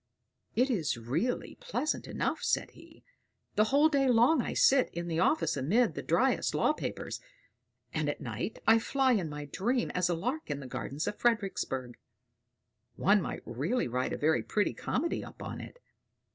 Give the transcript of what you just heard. "It is really pleasant enough," said he: "the whole day long I sit in the office amid the driest law papers, and at night I fly in my dream as a lark in the gardens of Fredericksburg; one might really write a very pretty comedy upon it."